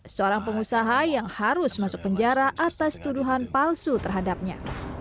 seorang pengusaha yang harus masuk penjara atas tuduhan palsu terhadapnya